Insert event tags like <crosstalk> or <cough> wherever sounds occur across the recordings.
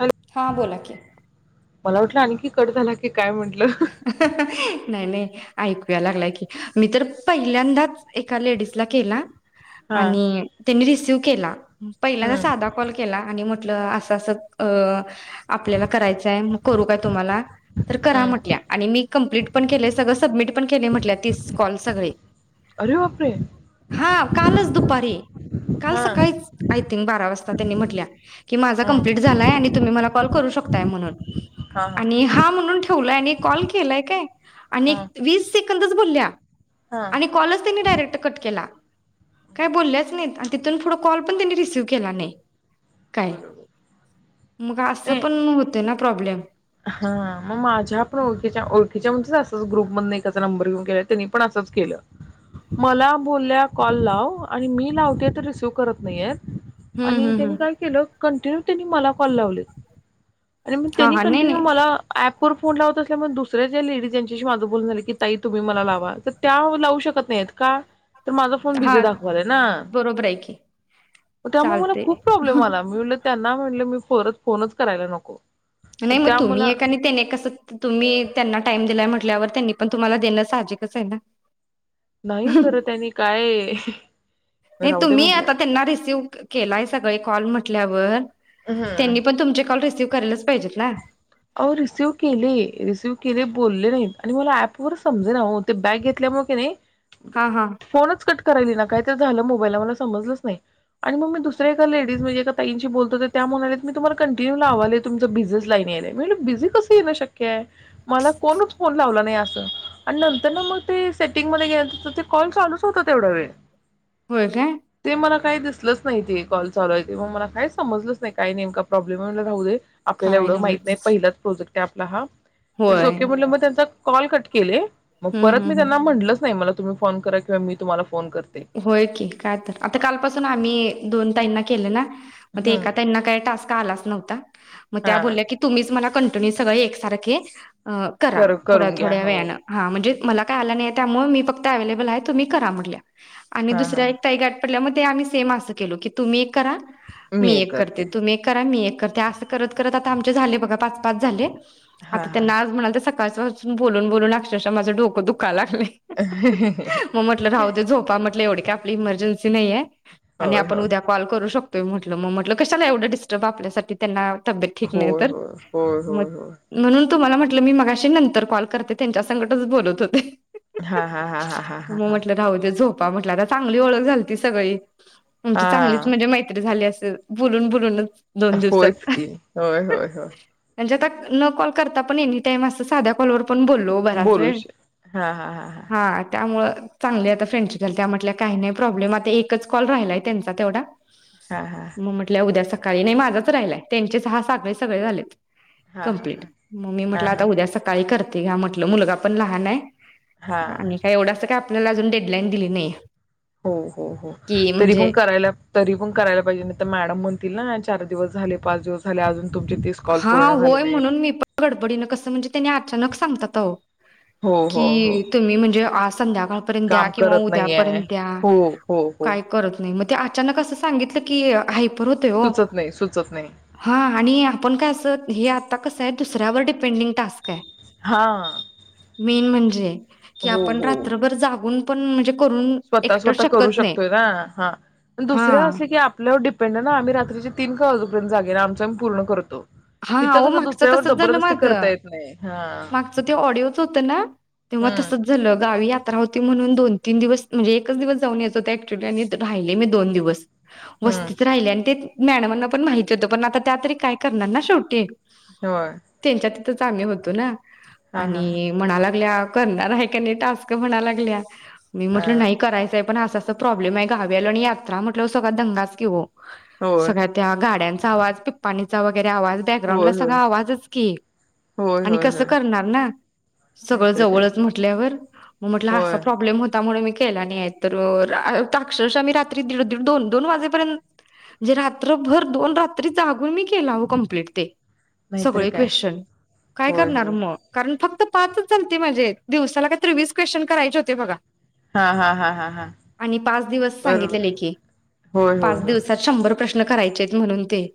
Hello हा बोला की मला वाटलं आणखी कट झाला की काय म्हटलं नाही नाही ऐकू याय लागलाय की, मी तर पहिल्यांदाच एका लेडीज ला केला हा आणि त्यांनी दिसल. त्यू केला हु पहिल्यांदा हम्म साधा कॉल केला आणि मग म्हणलं असं असं अ आपल्याला करायचाय म करू काय तुम्हाला तर करा हम्म म्हटल्या इ कंप्लीट पण केलय सगळं सबमिट पण केलय म्हंटल्या तीस कॉल सगळे अरे बापरे हा कालच दुपारी काल हा सकाळीच आय थिंक बारा वाजता त्यांनी म्हटल्या की माझा हा कंप्लीट झालाय आणि तुम्ही मला कॉल करू शकताय म्हणून आणि हा म्हणून ठेवलाय आणि कॉल केलाय काय आणि हा क वीस सेकंदच बोल्या हा आणि कॉलच त्यांनी डायरेक्ट कट केला काय बोलल्याच नाहीत आणि तिथून फुढ कॉल पण त्यांनी रिसीव केला नाही काय बरोबर मग असं नाही पण होते ना प्रॉब्लेम हा म माझ्या पण ओळखीच्या ओळखीच्या म्हणजेच असच ग्रुप मधन एकाचा नंबर घेऊन केला त्यांनी पण असंच केलं मला बोल्या कॉल लाव आणि मी लावते तर रिसीव्ह करत नईयेत हम्म आणि हम्म हम्म त्यानी काय केलं कंटिन्यू त्यांनी मला कॉल लावलेत अरे मग हा त्यानी हा नाही कंटन्यू नाही मला अँप कुर फोन लावत असल्यामुळ दुसऱ्या ज्या लेडीज ज्यांच्याशी माझं बोलणं झालं की ताई तुम्ही मला लावा तर त्या लावू शकत नाइयेत का? तर माझा फोन बिझी हा दाखवालय ना बरोबर आहे की म त्यामुळे मला चालते खूप प्रॉब्लेम आला मी म्हणलं त्यांना म्हणल मी परत फोनच करायला नको तर नाही मग त्या तुम्ही मला एका आणि त्याने कसं तुम्ही त्यांना टाईम दिला म्हटल्यावर त्यांनी पण तुम्हाला देणं साहजिकच आहे ना. नाही खरं त्यांनी काय नाही राहू दे तुम्ही म्हटलं आता त्यांना रिसीव्ह केलाय सगळे कॉल म्ह उटल्यावर हम्म त्यांनी पण तुमचे कॉल रिसिव करायलच पाहिजेत ना. अहो रिसिव्ह केले रिसिव्ह केले बोलले नाहीत आणि मला ऍप वर समजे ना हो ते बॅक घेतल्यामुळे की नाही हा हा फोनच कट करायला येईना काय तर झालं मोबाईलला मला समजलंच नाही आणि मग मी दुसर्‍या एका लेडीज म्हणजे एका ताईंशी बोलत होते त्या म्हणाल्यात मी तुम्हाला कंटिन्यू लावायले तुमचं बिझीच लाईन यायलाय. म्हणलं बिझी कसं येणं शक्य हाय मला कोणच फोन लावला नाही असं आणि नंतर ना मग ते सेटिंग मध्येे गेलं ते कॉल चालूच होता तेवढा वेळ. होय काय ते मला काही दिसलंच नाही ते कॉल चालू आहे ते मग मला काय समजलच नाही काय नेमका प्रॉब्मल हाय म म्हणलं राहू दे काय नव्हच त्यात प्रोजेक्ट आहे आपला हा इट्स होय ओके म्हटले मग त्यांचा कॉल कट केले मग हम्म हम्म परत मी हम्म त्यांना म्हटलंच नाही मला तुम्ही फोन करा किंवा मी तुम्हाला फोन करते. होय की काय तर आता कालपासून आम्ही दोन ताईंना केलं ना मग हम्म. एका ताईना काय टास्क कालाच नव्हता मग त्या हा बोलल्या कि तुम्हीच मला कंटिन्यू सगळे एक सारखे करा कर थोड्या करून घ्या थोड्या हो वेळनें हां म्हणजे मला काय आलं नाहीय त्यामुळे मी फक्त अवेलेबल आहे तुम्ही करा म्हटलं आणि हा हा दुसऱ्या एक ताई गाठ पडल्या म ते आम्ही सेम असं केलो की तुम्ही एक करा मी एक करते तुम्ही एक करा मी एक त्या अस करत करत आता आमचे झाले बघा पाच पाच झाले हा आता हा त्यांना आज म्हणाल तसं <unintelligible> बोलून बोलून अक्षरशः डोक दुःखायला लाग मग म्हटलं राहु दे झो म्हटल एवढी का आपली इमर्जन्सी नाहीे आणि होय आपण होय उद्या कॉल करू शकतो त म्हटलं मग म्हटलं कशाला एवढं डिस्टर्ब आपल्यासाठी त्यांना तब्येत ठीक नाही होय तर होय होय मग होय होय म्हणून तुम्हाला म्हटलं मी मगाशी नंतर कॉल करते त्यांच्या संकटच बोलत होते हां-हां-हां-हां-हां-हां-हां <unintelligible> म्हटल आता चांगली ओखळ झाली होती सगळी हा आमची चांगलीच म्हणजे हा मैत्री झाली असती ते बुलून बुलूनच होयच की होय-होय-होय म्हणजे आता न कॉल करता पण एनी टाईम असं साध्या कॉलवर आपण बोललो बराच बोलू वेळ श हा हा हा त्यामुळं चांगली आता फ्रेंडशिप झालं त्या म्हटल्या काही नाही प्रॉब्लेम आता एकच कॉल राहिलाय त्यांचा तेवढा हा हा हा म म्हटल्या उद्या स काही नाही माझाच राहिलाय, त्यांचे सहा सात सगळे झालेत. हा हा कंप्लीट हा म मी हा म्हटलं आता हा उद्या सकाळी करत हते घ्या म्हटलं मुलगा पण लहान आहे. हा आणि काय एवढं अस काय आपल्याला अजून डेडलाईन दिली नाहीया हो हो हो तरी पण करायला तरी पण करायला पाहिजे नाही तर मॅडम म्हणतील ना चार दिवस झाले पाच दिवस झाले अजून तुमचे तीस कॉल हा पूर्ण झाले होय नाहीत म्हणून मी पण गडबडीनं कसं म्हणजे त्यानी अचानक सांगतात आओ हो हो हो कि तुम्ही म्हणजे अस संध्याकाळपर्यंत द्या काम किंवा करत उद्या नाहीये पर्यंत द्या हो हो हो काय करत नाही म ते अचानक असं सांगितलं की आहे. बर होतय हो सुचत नाही, सुचत नाही. हा आणि आपण काय असं हे आता कसं आहे दुसऱ्यावर डिपेंडिंग टास्क हाय. हां. मेन म्हण- जे की हो, आपण हो. रात्रभर जागून पण म्हणजे करून स्वतः एकटं स्वतः करू शकत नाही शकतोय ना हा हा दुसरे असले की आपल्यावर डिपेंड आहे ना आम्ही रात्रीचे तीन का वाजू पण जागेरा आमचा पण पूर्ण करतो हा इथं ओ कसं मागच दुसऱ्यावर तसच झालं जबरदस्ती माझ करता येत नाही. हां. मागच ते ऑडिओच होतं ना तेव्हा हं, तसच झालं गावी आ.. चित्राहोती म्हणून दोन तीन दिवस म्हणजे एकच दिवस जाऊन याच होत अक्च्युली आणि राहिले मी दोन दिवस. हं. वस्तीत राहिले आणि ते मॅडमाना पण माहिती होतं पण आता त्या तरी काय करणार ना. छोटी ये होय तिथंच आम्ही होतो ना हां, हां, हां. आणि म्हणा लागल्या करणार आहे काय नाही टास्क म्हणायला लागल्या मी म्हटलं हां. नाही करायचंय पण असं प्रॉब्लेम आहे गावी आल्या वर आणि यात्रा म्हटलावर सगळा दंगाच की वो होय. सगळ्या त्या गाड्यांच आवाज पिपणी चा वगैरे आवाज बॅकग्राऊंड होय, ला सगळा होय. आवाज च की होय, आणि होय, कसं होय. करणार ना सगळं नाहीतर जवळ काय. म्हटल्या वर मग असा होय. प्रॉब्लेम होता म्हणून मी के केला नाही तर अक्षरशः रात्री दीड दीड दोन दोन वाजेपर्यंत म्हणजे रात्रभर दोन रात्री जागून मी केला वन ओ कंप्लीट ते नाहीतर सगळे काय. क्वेश्चन काय होय, करणार होय. मग कारण फक्त पाचच झालते माझे दिवसाला काय तर वीस क्वेश्चन करायचे होते बघा हां, हां, हां, हां, हां. आणि पाच दिवस बरोबर सांगितलेले आहे. की होय, पाच होय, होय. दिवसात शंभर प्रश्न <unintelligible> करायचेत म्हणून ते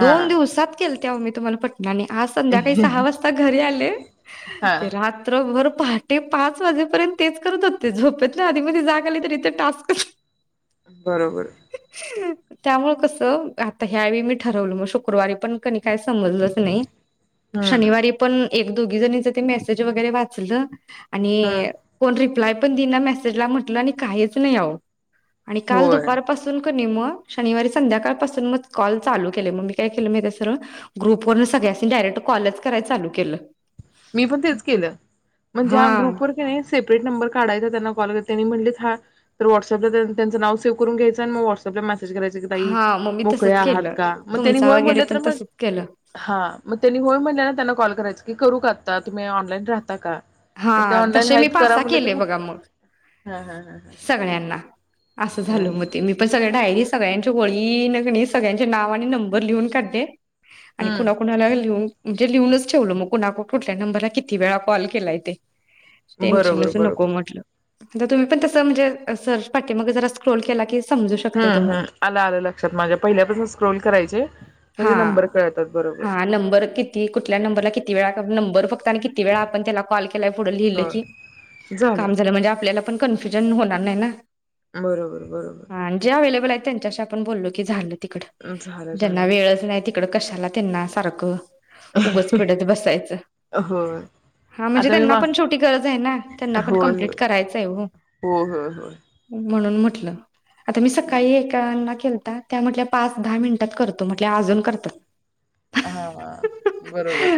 दोन दिवसात केलत <unintelligible> तुम्हाला पण आणि आज संध्याकाळी सहा वाजता घरी आले हां. ते रात्रभर पहाटे पाच वाजेपर्यंत तेच करत होते झोपेतन आधी मधी जागा आली ते टास्कच बरोबर त्यामुळे कसं आता ह्यावेळी मी ठरवलं मग शुक शुक्रवारी पण कनी काय समजलंच नाही हं. शनिवारी पण एक दोघी जणीच ते मेसेज वगैरे वाचलं हम्म आणि कोण रिप्लाय पण <unintelligible> मेसेजला म्हटलं आणि काहीच नाही आवो आणि काल होय दुपारपासून आणि मग शनिवारी संध्याकाळ पाासून मग कॉल चालू केले मग मी काय केलं माहीतय सरळ ग्रुप वरन सगळ्यांनी डायरेक्ट कॉलच कराय चालू केलं मी पण तेच केलं म्हणजे हा ज्या ग्रुपवर कणी सेपरेट नंबर काढायचा त्यांना कॉल त्यांनी म्हंटलेच हा तर व्हॉट्सॲप ला त्यांच नाव सेवा करुन घ्यायच मग व्हाॅट्सअप ला मेसे मेसेज करायचा की ताई हा मग मी तसच मोकळया केलं आहात मग त्यांनी तुमचा होय वगैरे बोले पण तर मग तसच केलं. हा त्यांना कॉल करायच करू का आत आता तुम्ही ऑनलाईन राहता का हा मग ते ऑनलाईन तसे मी आहेत पाच करा सहा म्हटलं तर केले बघा मग हा हा हा हा सगळ्यांना असं झालं मग ते मी पण एका डायरीत सगळ्यांचे वळीन किनई सगळ्यांचे नाव आणि नंबर लिहून काढते. आणि हम्म कुणाकुणाला लिहून म्हणजे लिहूनच ठेवलं म कुणाला कुठल्या नंबरला किती वेळा कॉल केलाय. <unintelligible> बरोबर टेन्शनच नको बरोबर म्हटलं. आता तुम्ही पण तसं म्हणजे सर्च पाठी मग जरा स्क्रोल केला की समजू शकते हम्म तुम्हाला, हम्म आलं आलं लक्षात माझ्या पहिल्यापासून स्क्रोल करायचे म्हणजे हा नंबर कळतात बरोबर हा नंबर किती कुठल्या नंबर ला किती वेळा नंबर फक्त आणि किती वेळा आपण त्याला कॉल केला. पुढं लिहिलं हो की, काम झालं म्हणजे आपल्या त्याला पण कन्फ्युजन होणार नाही ना. बरोबर बरोबर हा जे अवेलेबल आहेत त्यांच्याशी आपण बोललो की झालं. तिकडं झालं त्यांना झालं वेळच नाही. ती तिकड कशाला त्यांना सारखं उगच पडत बसायचं हो हा म्हणजे आता मी त्यांना माग पण शेवटी गरज आहे ना, त्यांना पण होय होय कंप्लीट करायचंय ओ. हो होय होय म्हणून म्हंटल आता मी सकाळी बर एका केलता, त्या म्हंटल्या पाच दहा मिनटात करतो म्हंटल्या अजून करतात. हां बरोबर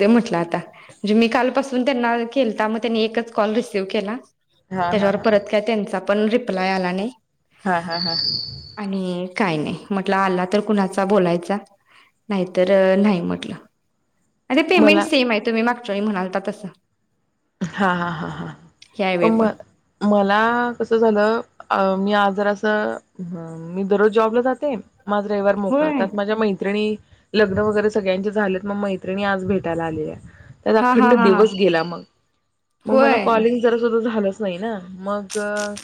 देऊ म्हटलं आता. म्हणजे मी काल पासून त्यांना केलता मग त्यांनी एकच कॉल रिसिव्ह केला. हा हा त्याच्यावर हा परत काय त्यांचा पण रिप्लाय आला नाही. हां हां हां काही नाही म्हटलं आला तर कुणाचा बोलायचा, नाहीतर नाही म्हटलं. अरे पेमेंट मला सेम आहे तुम्ही माग <unintelligible> म्हणालता तस <inaudible> हां हां हां हां अम म पण मला कस झालं अं मी आज जरास अं मी दररोज जॉबला जाते. म आज रविवार मोकळा होय. त्यात माझ्या मैत्रिणी लग्न वगैरे सगळ्यांचे झालेत मग मैत्रिणी आज भेटायला आलेल्या. त्यात हा हा अखंड हा हा दिवस गेला मग मग मला होय कॉलिंग जरा तुज झालंच नाही ना मग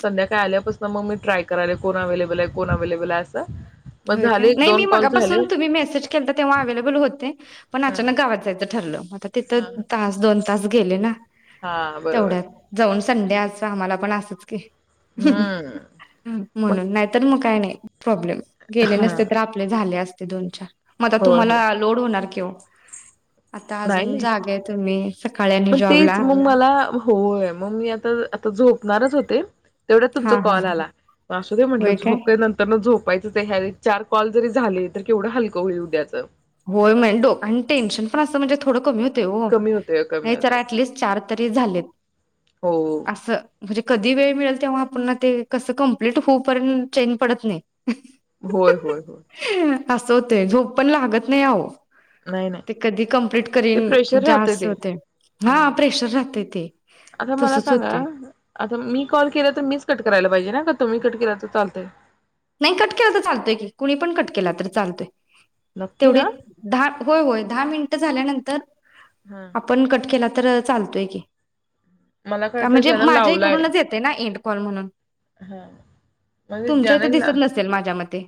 संध्याकाळी आल्यापासन मग मी ट्राय कराया लागले कोण अव्लेबल आहे? कोण अव्लेबल आहे अस? होय काय नई मी मगापासून तुमी मेसेज केलता तेव्हा अवेलेबल होते पण हा अचानक गावात जायचा ठरलं म्ह त हा हा तितं तास दोन तास गेले ना हा बरोबर तेवढ्यात जाऊन स संडे असं आम्हाला पण असच की हम्म मग म्हणून नायतर मग काय नायी प्रॉब्लेम गेले हा नसते तर आपले झाले अस ते दोन चार म आता होय तुमाला लोड होणार की <unintelligible> नाई अजून नई जागा आहे तुम्ही सकाळी आणि म जॉबला. तेच मग मला होय मग मी आता आता झोप णारच होते तेवड्यात तुमचा हा हा कॉल आला म असूदे म्हटंल झोप काय नंतरन झो वायचंच ह्या वेळी चार कॉल जरी झाले तर केवडं हलकं होईल उद्याच होय <unintelligible> डोकं आणि टेन्शन पण असं म्हणजे थोडं कमी हुत ते ओ कमी होतय नई कमी तर होतय ॲटलीस चार तर ते झालेत हो असं म्हजे कधी वेळ मिळल तेव्हा पुन्हा ते कसं कंप्लीट हुपर्यंन चेन पडत नई होय होय होय आसं होते झोप पण लागत नई आओ नाही नाही, ते प्रेशर राहत जास्त ते होते हा प्रेशर राहते ते. आता मला तसच सांगा होते आता मी कॉल केला तर मीच कट करायला. पायजे ना का तुम्ही कट केला तर चालतय? नायी कट केला तर चालतय की कुणी पण कट केला तर चालतोय नक्की तेवड ना एक दहा होय होय दहा मिनटं झाल्यानं हा <unintelligible> आपण कट केलात तरर चालतोय की मला काय का वाटलं म्हणजे ज्यान माझ्या लावलाय इकडूनच येते ना इंडंकॉल म्हणून हा म्हणजे तुमच्या ज्याने ला दिसत नसेल माझ्या मते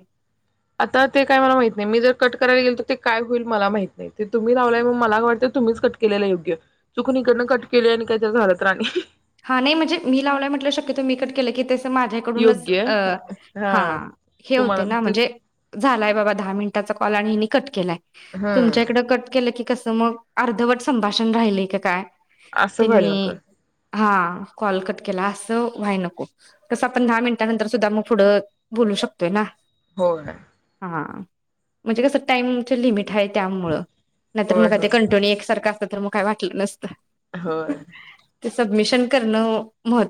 आता ते काय मला माहित नाही मी जर कट करायला गेल तर ते काय होईल मला माहित नाही ते तुम्ही लावलाय मग मला का वाटत तुम्हीच कट केलेला योग्य चुकनं इकडनं कट केले आणि काय तर झालं तर आणि हा नाही म्हणजे मी लावलाय म्हटलं शक्यतो मी कट केलं की ते माझ्याकडूनच योग्य हा हे होतय तुम्हाला ना ते म्हजे झालाय बाबा दहा मिनिटाचा कॉल आणि हिनी कट केलाय तुमच्या हम्म इकड कट केलं की कसं मग अर्धवट संभाषण राहिलयं का काय असं व्हायला नक. हा कॉल कट केला अस कत व्हाय नको कसं आपण दहा मिनिट नंतर सुद्धा मग पुढं बोलू शकतोय ना होयं हा म्हणजे कसं टाइमची लिमिट हाय त्यामुळं नंतर होय मग ते होय कंटिन्यू एक सारखा तर मग काय वाटलं नसतं होय ते सबमिशन करणं महत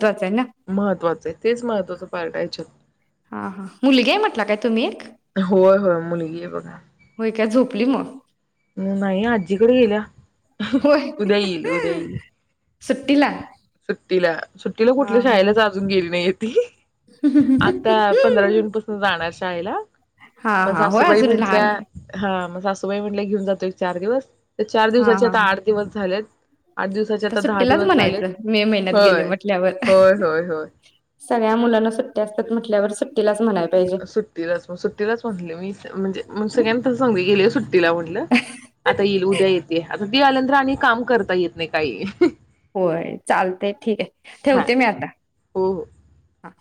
महत्त्वाचं आहे तेच महत्वाचं पार्ट आहे याच्यात हा हा मुलीगी आहे म्हटला काय? तुम्ही एक? होय होयं मुलगी आहे बघा मुली म ह् नाहीय अज्जी कड गिल्या होय उदया ईल उदया ईल सुट्टीला सुट्टीला सुट्टीला हा कुठल् हा शाळेलाच अजून गेली नाहीयेत. आता पंधरा जून पासून जाणार शाळेला हा मग हा होय सासूबाई अजून म्हंटल्या लहान हा मग सासू तय म्हटले घेऊन जातो एक चार दिवस ते चार हा दिवसाचे हा आता आठ दिवस झालेत आठ दिवसाचे आता दहा दिवस झालेत यायचं मे महिन्यात गेले होय म्हटल्यावर होय होय होय सगळ्या मुलांना सुट्ट्या असतात म्हटल्यावर सुट्ट सुट्टीलाच म सुट्टीलाच म्हणले मी म्हणजे सगळ्यांना तसंच सांगू येले सुट्टीला म्हटलं. आता येईल उद्या येते. रुदी आल्या नंतर आणि काम करता येत नाही काही. होय चालतय ठीक हाय हा ठेवते मी आता. हो हो हा